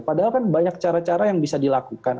padahal kan banyak cara cara yang bisa dilakukan